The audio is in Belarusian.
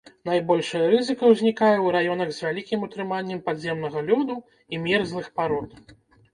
Найбольшая рызыка ўзнікае ў раёнах з вялікім утрыманнем падземнага лёду і мерзлых парод.